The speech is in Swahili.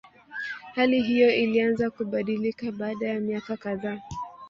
Hali hiyo ilianza kubadilika baada ya miaka kadhaa